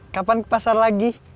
kapan ke pasar lagi